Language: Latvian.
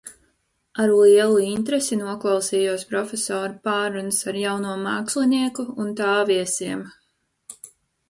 Ar lielu interesi noklausījos profesora pārrunas ar jauno mākslinieku un tā viesiem.